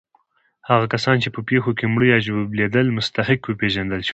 هغه کسان چې په پېښو کې مړه یا ژوبلېدل مستحق وپېژندل شول.